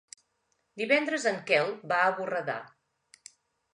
Divendres en Quel va a Borredà.